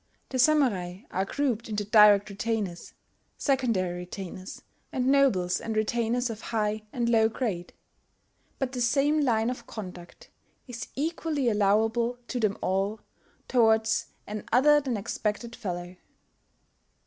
The Samurai are grouped into direct retainers, secondary retainers, and nobles and retainers of high and low grade; but the same line of conduct is equally allowable to them all towards an other than expected fellow."